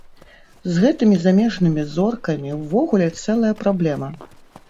З гэтымі замежнымі зоркамі ўвогуле цэлая праблема.